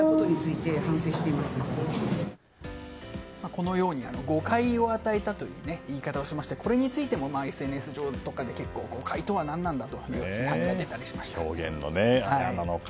このように誤解を与えたという言い方をしましてこれについてもＳＮＳ上とかでこの回答は何なのだとか表現のあやなのか。